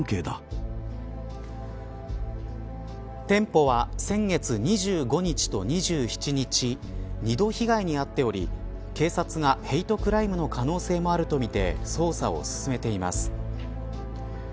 店舗は先月２５日と２７日の２度被害に遭っており警察がヘイトクライムの可能性もあるとみて捜査を進めています。